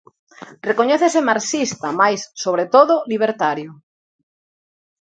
Recoñécese marxista mais, sobre todo, "libertario".